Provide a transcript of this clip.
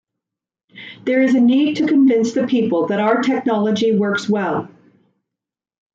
There is a need to convince the people that our technology works well...